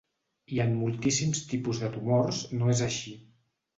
I en moltíssims tipus de tumors no és així.